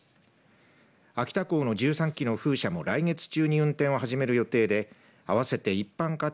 秋田港の１３基の風車も来月中に運転を始める予定で合わせて一般家庭